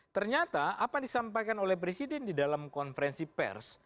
ternyata apa disampaikan oleh presiden di dalam konferensi pers